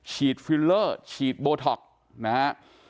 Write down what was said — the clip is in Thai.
ฉีดฟิลเลอร์ฉีดโบท็อกซ์นะครับ